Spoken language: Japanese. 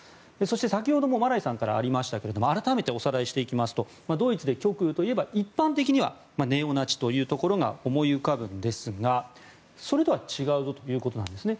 先ほどもマライさんからもありましたがおさらいしていきますとドイツで極右といえば一般的にはネオナチというところが思い浮かぶんですがそれとは違うということですね。